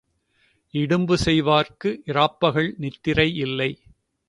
இடும்பு செய்வாருக்கு இராப்பகல் நித்திரை இல்லை.